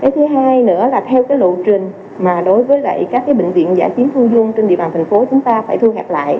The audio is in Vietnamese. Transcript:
thứ hai nữa là theo lộ trình mà đối với các bệnh viện giả chiến khu dung trên địa bàn thành phố chúng ta phải thu hẹp lại